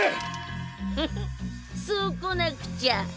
フフッそうこなくちゃ。